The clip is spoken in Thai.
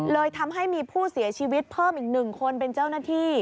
เลยทำให้มีผู้เสียชีวิตเพิ่มอีก๑คนเป็นเจ้าหน้าที่